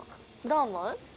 どう思う？